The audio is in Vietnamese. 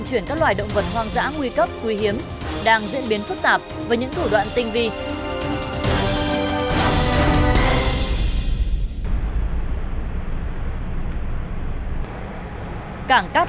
chúng tôi hãy nhớ đăng ký kênh để nhận thông tin nhất